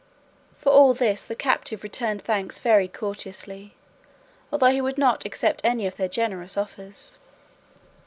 For all this the captive returned thanks very courteously, although he would not accept any of their generous offers.